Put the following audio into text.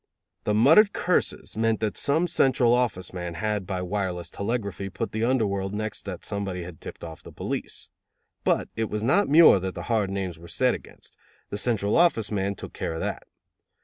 The muttered curses meant that some Central Office man had by wireless telegraphy put the under world next that somebody had tipped off the police. But it was not Muir that the hard names were said against: the Central Office man took care of that.